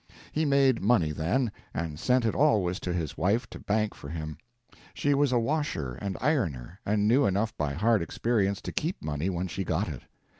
He made money then, and sent it always to his wife to bank for him. She was a washer and ironer, and knew enough by hard experience to keep money when she got it.